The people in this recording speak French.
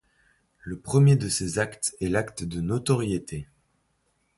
Le premier de ces actes est l'acte de notoriété.